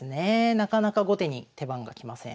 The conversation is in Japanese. なかなか後手に手番が来ません。